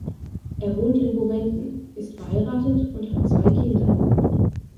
Er wohnt in Bovenden, ist verheiratet und hat zwei Kinder.